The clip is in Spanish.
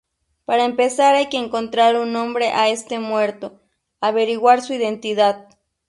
Para empezar hay que encontrar un nombre a este muerto, averiguar su identidad.